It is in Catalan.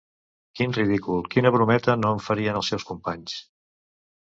¡Quin ridícul, quina brometa no en farien, els seus companys!